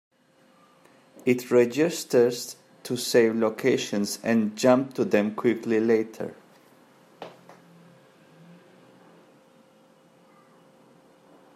It registers to save locations and jump to them quickly later.